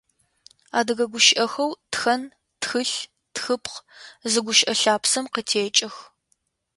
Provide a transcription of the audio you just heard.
Адыгэ гущыӏэхэу «тхэн», «тхылъ», «тхыпхъ» зы гущыӏэ лъапсэм къытекӏых.